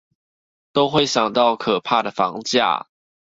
都會想到可怕的房價